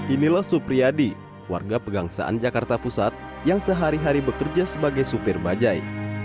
inilah supriyadi warga pegangsaan jakarta pusat yang sehari hari bekerja sebagai supir bajai